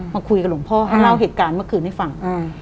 มาคุยกับหลวงพ่อให้เล่าเหตุการณ์เมื่อคืนให้ฟัง